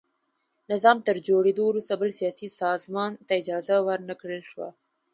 نظام تر جوړېدو وروسته بل سیاسي سازمان ته اجازه ور نه کړل شوه.